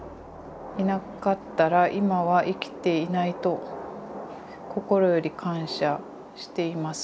いなかったら今は生きていないと心より感謝しています。